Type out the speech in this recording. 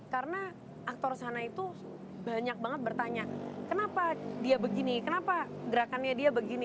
karena aktor sana itu banyak banget bertanya kenapa dia begini kenapa gerakannya dia begini